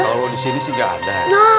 kalau disini sih gak ada